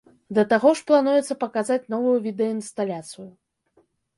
Да таго ж плануецца паказаць новую відэаінсталяцыю.